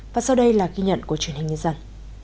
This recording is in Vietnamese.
và sau đây là ghi nhận của truyền hình nhân dân